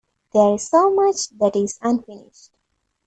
There is so much that is unfinished.